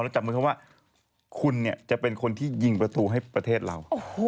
แล้วจำเป็นว่าคุณจะเป็นคนที่ยิงปลาตรูให้ประเทศเรา